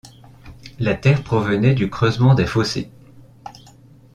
La terre provenait du creusement des fossés.